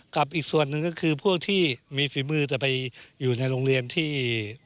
กับอีกส่วนหนึ่งก็คือพวกที่มีฝีมือจะไปอยู่ในโรงเรียนที่